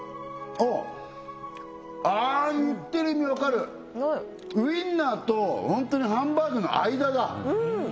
ああ言ってる意味わかるウインナーとホントにハンバーグの間だうん！